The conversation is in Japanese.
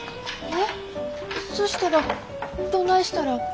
えっそしたらどないしたら。